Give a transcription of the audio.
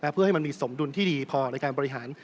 เพื่อให้มันมีสมดุลที่ดีพอในการบริหาร